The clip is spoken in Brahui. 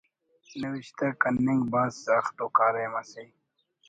نوشتہ کننگ بھاز سخت ءُ کاریم اسے